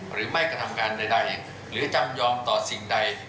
หรือไม่กระทำการใดหรือจำยอมต่อสิ่งใด